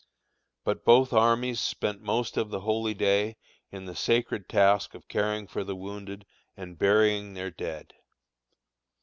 But both armies spent most of the holy day in the sacred task of caring for the wounded and burying their dead.